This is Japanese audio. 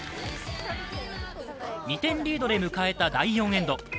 ２点リードで迎えた第４エンド。